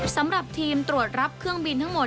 สำหรับทีมตรวจรับเครื่องบินทั้งหมด